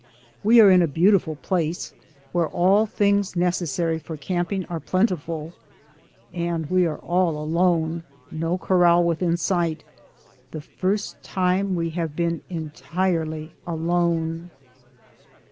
We are in a beau tiful place, where all things necessary for camping are plentiful, and we are all alone, no corral within sight ; the first time we have been entirely alone.